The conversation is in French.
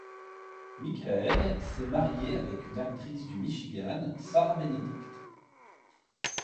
Michael s'est marié avec une actrice du Michigan, Sarah Benedict.